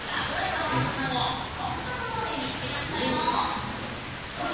ハマったさんをこんなところで見つけちゃったよ。